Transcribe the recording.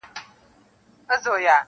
ځکه نه خېژي په تله برابر د جهان یاره ,